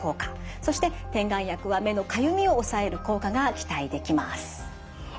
そして点眼薬は目のかゆみを抑える効果が期待できます。